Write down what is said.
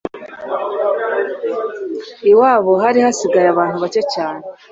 iwabo hari hasigaye abantu bake cyane